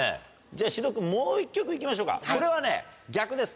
獅童君もう１曲行きましょうかこれはね逆です。